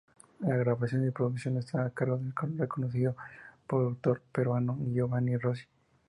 La grabación y producción está a cargo del reconocido productor peruano Giovanni Rossi.